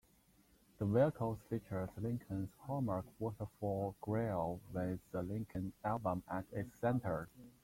The vehicles features Lincoln's hallmark waterfall grille with the Lincoln emblem at its center.